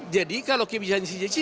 jadi kalau kebiasaannya si jessica